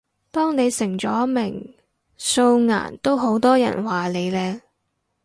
當你成咗名，素顏都好多人話你靚